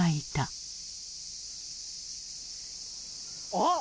あっ！